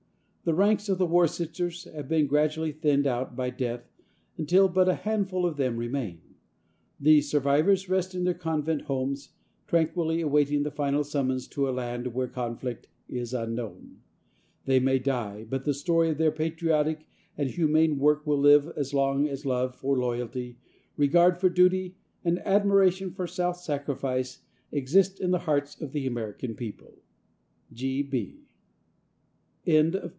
The ranks of the war Sisters have been gradually thinned out by death until but a handful of them remain. These survivors rest in their convent homes, tranquilly awaiting the final summons to a land where conflict is unknown. They may die, but the story of their patriotic and humane work will live as long as love for loyalty, regard for duty and admiration for self sacrifice exist in the hearts of the American people.